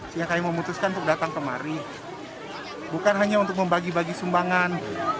sehingga kami memutuskan untuk datang kemari bukan hanya untuk membagi bagi sumbangan